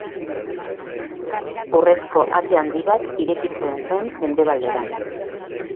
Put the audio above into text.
Urrezko Ate Handi bat irekitzen zen Mendebalderantz.